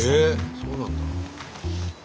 そうなんだ。